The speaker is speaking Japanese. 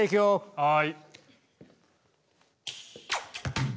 はい。